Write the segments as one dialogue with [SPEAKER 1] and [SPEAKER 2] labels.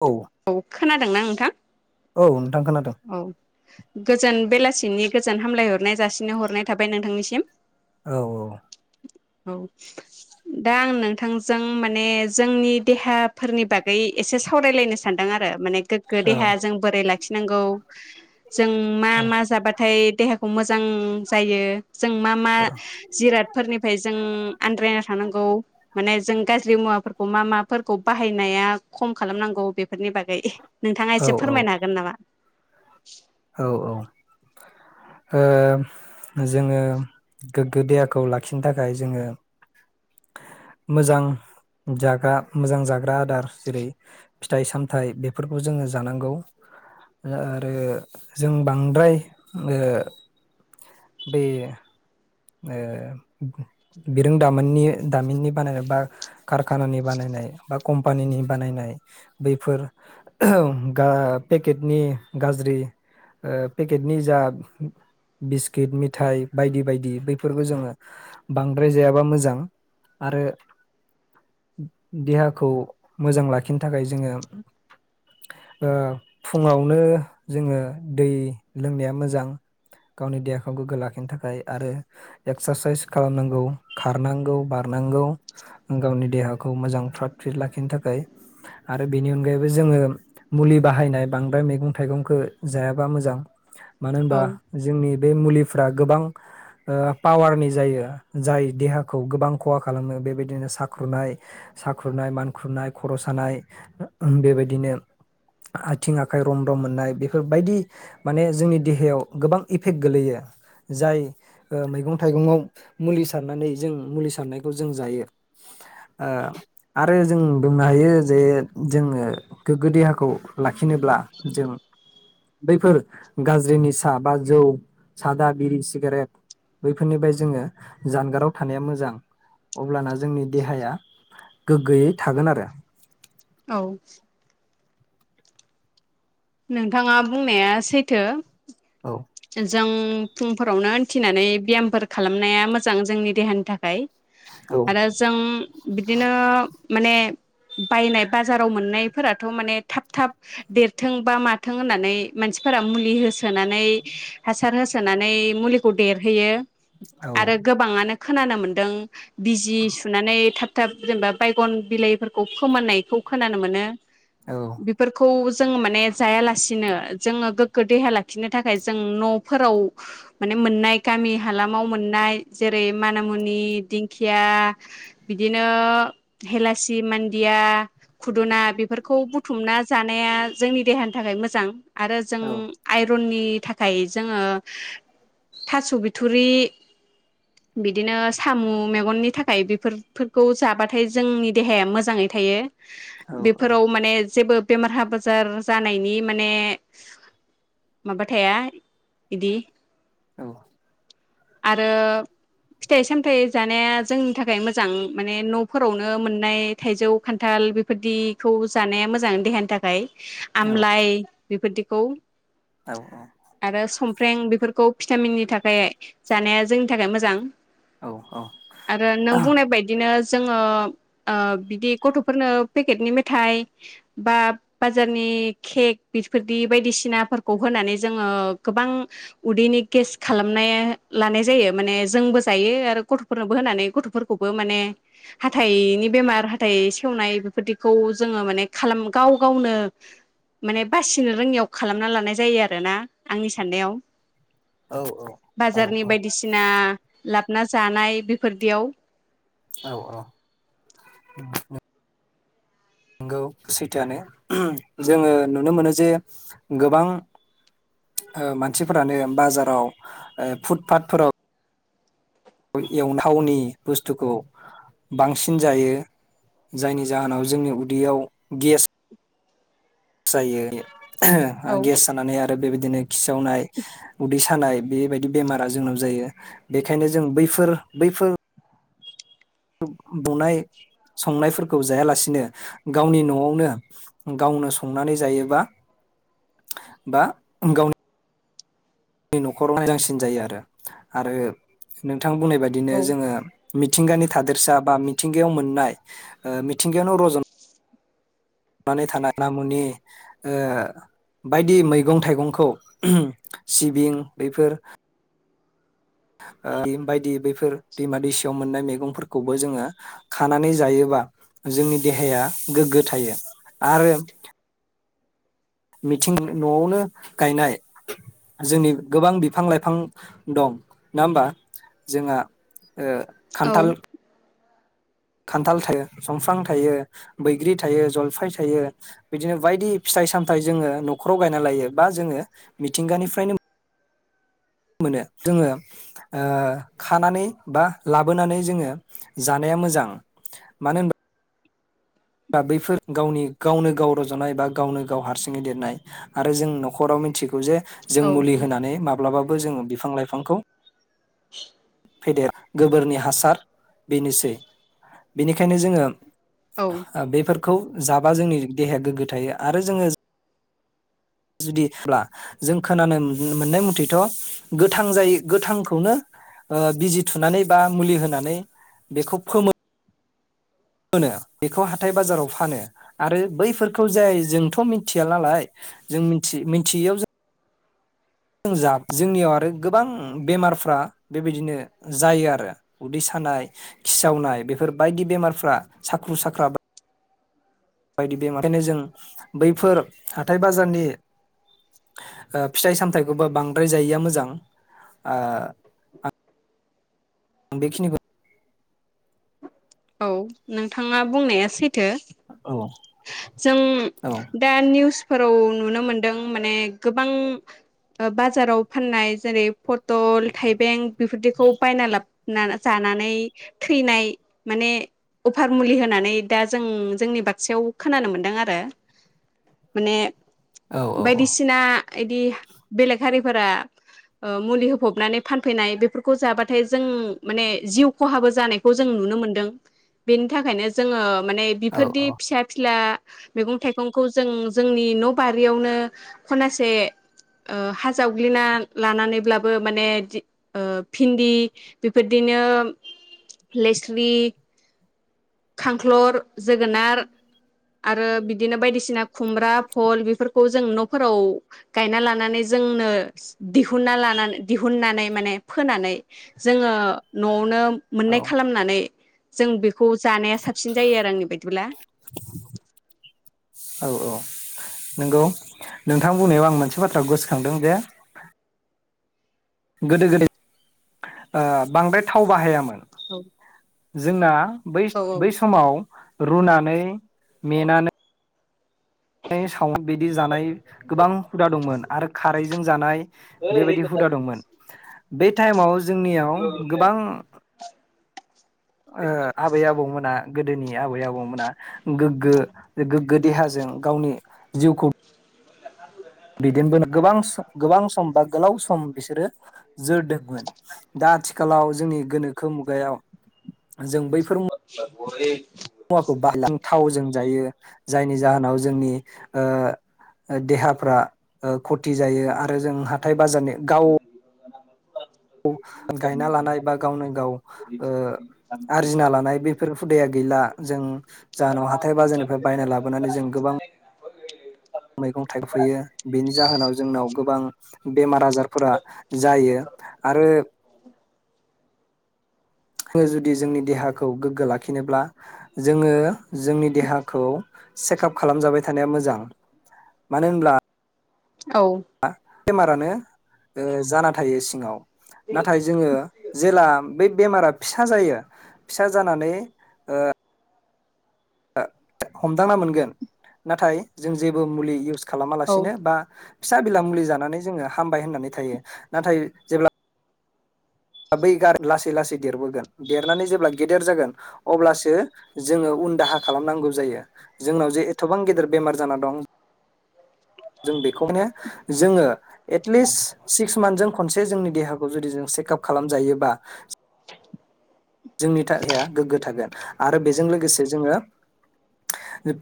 [SPEAKER 1] औ
[SPEAKER 2] औ खोनादोंना नोंथां।
[SPEAKER 1] औ नोंथां खोनादों
[SPEAKER 2] औ गोजोन बेलासि नि गोजोन हामलायहरनाय जासि हरनाय थाबाय नोंथांनिसिम।
[SPEAKER 1] औ
[SPEAKER 2] औ दा आं नोंथांजों माने जोंनि देहाफोरनि बागै एसे सावरायलायनो सानदों आरो। माने गोग्गो
[SPEAKER 1] औ
[SPEAKER 2] देहाया जों बोरै लाखिनांगौ जों मा
[SPEAKER 1] औ
[SPEAKER 2] मा जाबाथाय देहाखौ मोजां जायो। जों मा मा जिरादफोरनिफ्राय जों आद्रायना थांनांगौ माने जों गाज्रि मुवाफोर अमा मा फोरखौ बाहायनाया खम खालामनांगौ बे बेफोरनि बागै नोंथाङा
[SPEAKER 1] औ
[SPEAKER 2] एसे
[SPEAKER 1] औ
[SPEAKER 2] फोरमायनो हागोन नामा? [inaudible]
[SPEAKER 1] औ ओ जोङो गोग्गो देहाखौ लाखिनो थाखाय जोङो मोजां जाग्रा मोजां जाग्रा आदार जेरै फिथाइ सामथाइ बेफोरखौ जोङो जानांगौ आरो जों बांद्राय ओ बे बिरोंदामोननि दामिननि बानायनाय बा कारखानानि बानायनाय बा कम्पानिनि बानायनाय बैफोर पेकेटनि गाज्रि पेकेटनि जा बिस्किट मिथाइ बायदि बायदि। बेफोरफोरखौ जोङो बांद्राय जायाबा मोजां आरो देहाखौ मोजां लाखिनो थाखाय जोङो फुङावनो जोङो दै लोंनाया मोजां गावनि देहाखौ गोग्गो लाखिनो थाखाय आरो। एक्सारसाइस खालामनांगौ खारनांगौ बारनांगौ गावनि देहाखौ मोजां फ्रात फ्रिट लाखिनो थाखाय आरो बेनि अनगायैबो जोङो मुलि बाहायनाय बांद्राय मैगं-थाइगंखौ जायाबा मोजां मानो होनबा
[SPEAKER 2] औ
[SPEAKER 1] जोंनि बे मुलिफ्रा गोबां। पावारनि जायो जाय देहाखौ गोबां खहा खालामो बेबायदिनो साखुनाय साखुनाय मानखुरनाय खर' सानाय बेबायदिनो आथिं आखाइ रम रम मोननाय बेफोरबायदि माने जोंनि देहायाव गोबां इफेक्ट गोगलैयो जाय मैगं थाइगंआव मुलि सारनानै जों मुलि सारनायखौ जों जायो आरो जों बुंनो हायो जे जोङो गोग्गो देहाखौ लाखिनोब्ला जों बैफोर गाज्रिनि सा बा जौ सादा बिरि सिगारेट बैफोरनिफ्राय जोङो जानगाराव थानाया मोजां अब्लाना जोंनि देहाया गोग्गोयै थागोन आरो।
[SPEAKER 2] औ। नोंथाङा बुंनाया सैथो।
[SPEAKER 1] औ।
[SPEAKER 2] जों फुंफोरावनो उथिनानै ब्यामफोर खालामनाया मोजां जोंनि देहानि थाखाय
[SPEAKER 1] औ
[SPEAKER 2] आरो जों बिदिनो माने बायनाय बाजाराव मोननायफोराथ' माने थाब थाब देर थों बा माथों होननानै मानसिफोरा मुलि होसोनानै हासार होसोनानै मुलिखौ देरहोयो।
[SPEAKER 1] औ
[SPEAKER 2] आरो गोबाङानो। खोनानो मोनदों बिजि सुनानै थाब थाब जेनेबा बायगन बिलाइफोरखौ फोमोननायखौ खोनानो मोनो।
[SPEAKER 1] औ
[SPEAKER 2] बेफोरखौ जोङो माने जायालासिनो जोङो गोग्गो देहा लाखिनो थाखाय जों न'फोराव माने मोननाय गामि हालामाव मोननाय जेरै मानामुनि दिंखिया बिदिनो हेलासि मान्दिया खुदुना बेफोरखौ बुथुमना जानाया। जोंनि देहानि थाखाय मोजां। आरो जों
[SPEAKER 1] औ
[SPEAKER 2] आइरननि नि थाखाय जोङो थास बिथुरि बिदिनो साम मेगननि थाखाय बेफोरखौ जाबाथाय जोंनि देहाया मोजाङै थायो।
[SPEAKER 1] औ
[SPEAKER 2] बेफोराव माने जेबो बेमार-आजार जार जानायनि माने माबा थाया बिदि
[SPEAKER 1] औ।
[SPEAKER 2] आरो फिथाइ सामथाइ जानाया जोंनि थाखाय मोजां माने नफोरावनो मोननाय थाइजौ खान्थाल बेफोरदिखौ जानाया मोजां देहानि थाखाय आमलाय बेफोरदिखौ आरो समफ्राम बेफोरखौ भिटामिननि थाखाय जानाया जोंनि थाखाय मोजां। आरो नों बुंनाय बायदिनो जोङो ओ बिदि‌गथफोरनो पेकेटनि मेथाइ बा बाजारनि केक बेफोरदि बायदिसिनाफोरखौ होनानै जोङो गोबां उदैनि गेस खालामनाय लानाय जायो माने जोंबो जायो आरो गथफोरनोबो होनानै गथफोरखौबो माने हाथाइनि बेमार हाथाइ सेवनाय बेफोरदिखौ जोङो माने खालाम गाव गावनो माने बासिनो रोङियाव खालामना लानाय जायो आरो ना आंनि साननायाव
[SPEAKER 1] औ औ औ।
[SPEAKER 2] बाजारनि बायदिसिना लाबना जानाय बेफोरदियाव
[SPEAKER 1] औ औ। अ नंगौ सैथोआानो जोङो नुनो मोनो जे गोबां ओ मानसिफोरानो बाजाराव फुटपााथफोराव एवथावनि बुस्थुखौ बांसिन जायो जायनि जाहोनाव जोंनि उदैयाव गेस
[SPEAKER 2] औ
[SPEAKER 1] जायो। गेस जानानै आरो बेबायदि बिदिनो खिसावनाय उदै सानाय बेबायदि बेमारा जोंनाव जायो बेखायनो जों बैफोर बैफोर बनाय संनायफोरखौ जायालासिनो गावनि नआवनो गावनो संनानै जायोबा बा गावनि नि नखराव हायो मोजांसिन जायो आरो। आरो नों बिथां बुंनाय बादिनो
[SPEAKER 2] औ
[SPEAKER 1] जोङो मिथिंगानि थादोरसा बा मिथिंगायाव मोननाय ओ मिथिंगायावनो रजन नुनानै थानाय नामुनि ओ बायदि मैगं थाइगंखौ सिबिं बेफोर बायदि बैफोर दैमा दैसायाव मोननाय मैगंफोरखौबो जोङो खानानै जायोबा जोंनि देहाया गोग्गो थायो आरो। मिथिं नआवनो गायनाय जोंनि गोबां बिफां लाइफां दं नङा होनबा जोंहा ओ
[SPEAKER 2] औ
[SPEAKER 1] खान्थाल खान्थाल थायो संफ्रां थायो बैग्रि थायो जलफाय थायो बिदिनो बायदि फिथाइ सामथाइ जोङो नखराव गायना लायो बा जोङो मिथिंगानिफ्रायनो मोनो जोङो खानानै बा लाबोनानै जोङो जानाया मोजां मानो होनबा दा बैफोर गावनि गावनो गाव रजनाय बा गावनो गाव हारसिङै देरनाय आरो जों नखराव मिथिगौ जे जों
[SPEAKER 2] औ
[SPEAKER 1] मुलि होनानै माब्लाबा बो जोङो बिफां लाइफांखौ
[SPEAKER 2] [inaudible]
[SPEAKER 1] फेदेर गोबोरनि हासार बेनोसै बेनिखायनो जोङो
[SPEAKER 2] औ
[SPEAKER 1] बेफोर खौ जाबा जोंनि देहाया गोग्गो थायो आरो जोङो जुदि [unintelligible] जों खोनानो मोननाय मथेथ' गोथां जाय गोथांखौनो बिजि थुनानै बा मुलि होनानै बेखौ फोमो मोनो बेखौ हाथाय बाजाराव फानो आरो बैफोरखौ जाय जोंथ' मिथिया नालाय जोंथि मिथियैयाव जों जों जा जोंनियाव आरो गोबां बेमारफ्रा बेबायदिनो जायो आरो उदै सानाय खिसावनाय बेफोर बायदि बेमारफ्रा साख्रु साख्रा दि बेमार ओंखायनो जों बैफोर हाथाय बाजारनि फिथाइ सामथाइखौबो बांद्राय जायैया मोजां। आं बेखिनिखौ
[SPEAKER 2] औ नोंथाङा बुंनाया सैथो।
[SPEAKER 1] औ।
[SPEAKER 2] जों
[SPEAKER 1] औ
[SPEAKER 2] दा निउसफोराव नुनो मोनदों माने गोबां बाजाराव फाननाय जेरै पटल थाइबें बेफोरदिखौ बायना लाब जानानै थैनाय माने अफार मुलि होनानै दा जों जोंनि बाक्सायाव खोनानो मोनदों आरो माने
[SPEAKER 1] औ
[SPEAKER 2] बायदिसिना बिदि बेलेग हारिफोरा मुलि होफबनानै फानफैनाय बेफोरखौ जाबाथाय जों माने जिउ खहाबो जानायखौ जों नुनो मोनदों बेनि थाखायनो जोङो। माने
[SPEAKER 1] औ
[SPEAKER 2] बिफोरदि फिसा फिला मैगं थाइगंखौ जों जोंनि न' बारियावनो खनासे हा जावग्लिना लानानैब्लाबो माने भिन्दि बेफोरदिनो लेस्रि खांख्लर, जोगोनार आरो बिदिनो बायदिसिना खुमब्रा, भल बेफोरखौ जों न'फोराव गायना लानानै जोंनो दिहुनना लानानै दिहुननानै माने फोनानै जोङो न'आवनो
[SPEAKER 1] औ
[SPEAKER 2] मोननाय खालामनानै जों बेखौ जानाया साबसिन जायो आरो आंनि बायदिब्ला
[SPEAKER 1] औ औ नंगौ नोंथां बुंनायाव आं मोनसे बाथ्रा गोसोखांदों जे गोदो गोदाय बांद्राय थाव बाहायामोन।
[SPEAKER 2] औ।
[SPEAKER 1] जोंना बै बै समाव रुनानै मेनानै साव बिदि जानाय गोबां हुदा दंमोन। आरो खारैजों जानाय बेबायदि हुदा दंमोन। बे टाइमाव जोंनियाव गोबां आबै आबौमोना गोदोनि आबै-आबौमोना गोग्गो गोग्गो देहाजों गावनि जिउखौ
[SPEAKER 2] [inaudible]
[SPEAKER 1] दैदेनबोनो गोबां गोबां सम बा गोलाव सम बिसोरो जोरदों दा आथिखालाव जोंनि गोनोखो मुगायाव जों बैफोर
[SPEAKER 2] बै
[SPEAKER 1] मुवाखौ बाहायलां थावजों जायो जायनि जाहोनाव जोंनि ओ देहाफ्रा खथि जायो आरो जों हाथाय बाजारनि गाव औ। गायना लानाय बा गावनो गाव ओ आरजिना लानाय बेफोर हुदाया गैला जों जाहोनाव ह हाथाइ बाजारनिफ्राय बायना लाबोनानै। जों गोबां मैगं थाइफैयो बेनि जाहोनाव जोंनाव गोबां बेमार आजारफोरा जायो आरो। जों जुदि जोंनि देहाखौ गोग्गो लाखिनोब्ला जोङो जोंनि देहाखौ चेकआप खालामजाबाय थानाया मोजां मानो होनब्ला
[SPEAKER 2] औ
[SPEAKER 1] बेमारानो ओ जाना थायो सिङाव। नाथाय जोङो जेला बे बेमारा फिसा जायो फिसा जानानै ओ हमदांना मोनगोन नाथाय जों जेबो मुलि इउस
[SPEAKER 2] औ
[SPEAKER 1] खालामालासिनो बा फिसा बिला मुलि जानानै जोङो हामबाय होननानै थायो नाथाय जेब्ला बै गार लासै लासै देरबोगोन देरनानै जेब्ला गेदेर जागोन अब्लासो जोङो उन दाहा खालामनांगौ जायो जोंनाव जे एथबां गेदेर बेमार जाना दं जों बेखौनो जोङो एटलिस्ट सिक्स मान्थजों खनसे जोंनि देहाखौ जुदि जों चेकाप खालामजायोबा जोंनि थाखाय गोग्गो थागोन। ओ आरो बेजों लोगोसे जोङो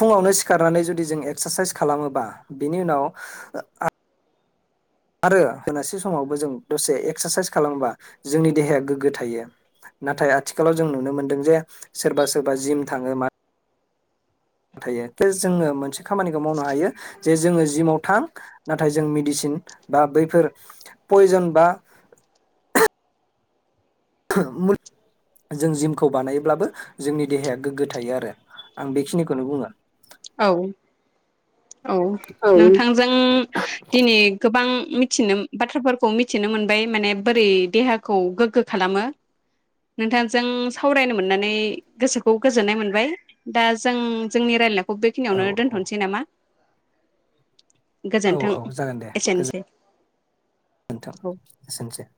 [SPEAKER 1] फुङावनो सिखारनानै जुदि जों एक्सारसाइस खालामोबा बिनि उनाव आरो बेलासे समावबो जों दसे एक्सारसाइस खालामोबा जोंनि देहाया गोग्गो थायो नाथाय आथिखालाव जों नुनो मोनदों जे सोरबा सोरबा जिम थाङो मा थायो जोङो मोनसे खामानिखौ मावनो हायो जे जोङो जिमाव थां नाथाय जों मेडिसिन बा बैफोर पयजन बा जों जिमखौ बानायोब्लाबो जोंनि देहाया गोग्गो थायो आरो आं बेखिनिखौनो बुङो।
[SPEAKER 2] औ औ नोंथांजों दिनै गोबां मिथिनो बाथ्राफोरखौ मिथिनो मोनबाय माने बोरै देहाखौ गोग्गो खालामो नोंथांजों सावरायनो मोननानै गोसोखौ गोजोननाय मोनबाय दा जों जोंनि रायलायनाय खौ
[SPEAKER 1] औ
[SPEAKER 2] बेखिनियावनो
[SPEAKER 1] औ
[SPEAKER 2] दोनथ'नोसै नामा?
[SPEAKER 1] औ
[SPEAKER 2] गोजोन्थों
[SPEAKER 1] औ जागोन दे गोजोन
[SPEAKER 2] एसेनोसै।
[SPEAKER 1] नोंथां
[SPEAKER 2] औ
[SPEAKER 1] एसेनोसै।